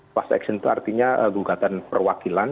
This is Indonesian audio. class action itu artinya gugatan perwakilan